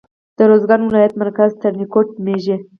د روزګان ولایت مرکز ترینکوټ نومیږي.